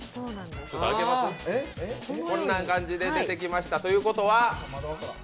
こんな感じで出てきましたということは？